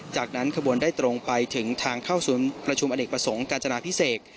จากนั้นขบวนได้ตรงไปถึงทางเข้าศูนย์ประชุมอเนกประสงค์กาญจนาพิเศษ